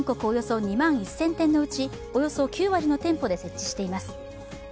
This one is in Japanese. およそ２万１０００店のうちおよそ９割の店舗で設置しています